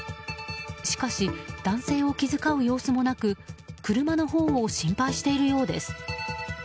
しかし男性を気遣う様子もなく車のほうを心配しているようです。